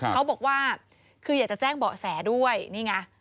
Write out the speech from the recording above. เขาบอกว่าคืออยากจะแจ้งเบาะแสด้วยนี่ไง